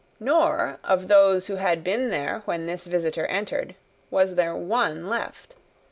Nor, of those who had been there when this visitor entered, was there one left.